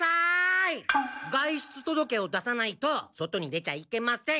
外出届を出さないと外に出ちゃいけません。